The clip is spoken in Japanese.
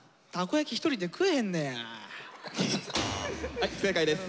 はい不正解です。